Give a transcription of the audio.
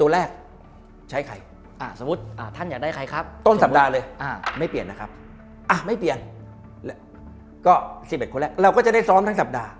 แล้วก็๑๑คนแรกเราก็จะได้ซ้อมทั้งสัปดาห์